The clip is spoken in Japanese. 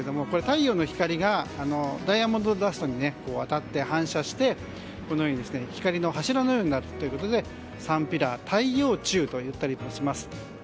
これは太陽の光がダイヤモンドダストに当たって反射して、光の柱のようになっているということでサンピラー太陽柱といったりもします。